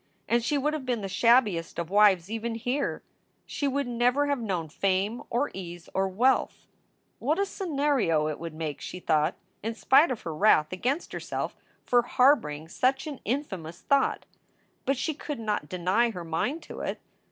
And she would have been the shabbiest of wives even here. She would never have known fame or ease or wealth. "What a scenario it would make!" she thought, in spite of her wrath against herself for harboring such an infamous 398 SOULS FOR SALE thought. But she could not deny her mind to it.